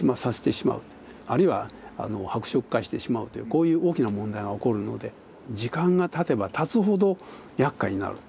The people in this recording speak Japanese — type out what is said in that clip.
あるいは白色化してしまうというこういう大きな問題が起こるので時間がたてばたつほどやっかいになる。